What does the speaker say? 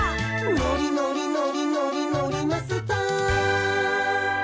「のりのりのりのりのりマスター」